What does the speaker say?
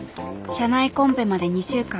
社内コンペまで２週間。